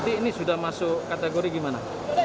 jadi ini sudah masuk kategori gimana